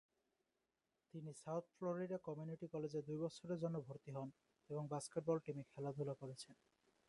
তিনি south Florida community কলেজে দুই বছরের জন্য ভর্তি হন এবং বাস্কেটবল টিমে খেলাধুলা করেছেন।